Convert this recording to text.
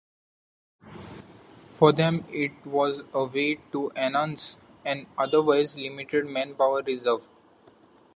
For them it was a way to enhance an otherwise limited manpower reserve.